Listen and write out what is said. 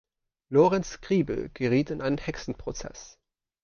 Lorenz Kriebel geriet in einen Hexenprozess.